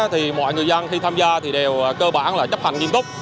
thì mọi người dân khi tham gia đều cơ bản chấp hành nghiêm túc